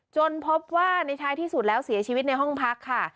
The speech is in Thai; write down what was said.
พบว่าในท้ายที่สุดแล้วเสียชีวิตในห้องพักค่ะ